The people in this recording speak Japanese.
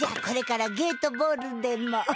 これからゲートボールでも。